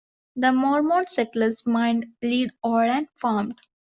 The Mormon settlers mined lead ore and farmed.